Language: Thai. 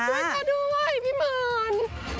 ช่วยจ้าด้วยพี่มิน